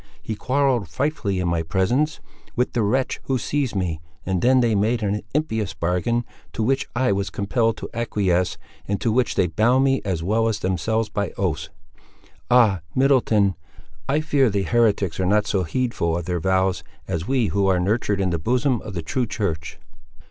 He quarrelled frightfully in my presence, with the wretch who seized me, and then they made an impious bargain, to which I was compelled to acquiesce, and to which they bound me as well as themselves by oaths. Ah! Middleton, I fear the heretics are not so heedful of their vows as we who are nurtured in the bosom of the true church!"